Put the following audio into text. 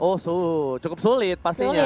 oh cukup sulit pastinya